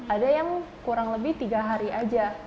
ada yang kurang lebih tiga hari aja